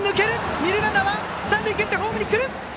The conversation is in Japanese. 二塁ランナーは三塁けってホームに来る！